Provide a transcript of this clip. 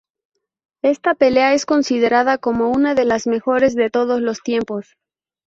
Esta pelea es considerada como una de las mejores de todos los tiempos.